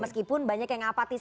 meskipun banyak yang apatis